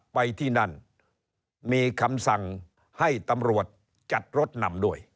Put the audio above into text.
ไปที่นั่นมีคำสั่งให้ตำรวจจัดรถนำด้วย